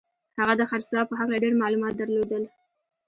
هغه د خرڅلاو په هکله ډېر معلومات درلودل